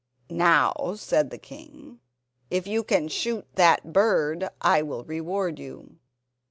"Now," said the king, "if you can shoot that bird I will reward you."